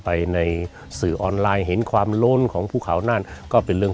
ไปในสื่อออนไลน์เห็นความโล้นของภูเขานั่นก็เป็นเรื่อง